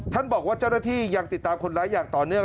บอกว่าเจ้าหน้าที่ยังติดตามคนร้ายอย่างต่อเนื่อง